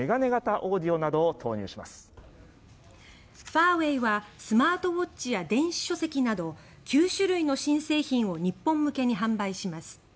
ファーウェイはスマートウォッチや電子書籍など９種類の新製品を日本向けに販売します。